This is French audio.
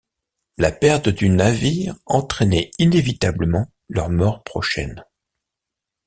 La perte du navire entraînait inévitablement leur mort prochaine.